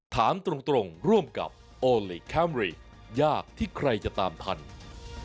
ถามตรงร่วมกับโอลี่คัมรี่ยากที่ใครจะตามทัน